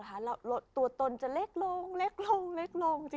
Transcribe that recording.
ตัวตนจะเล็กลง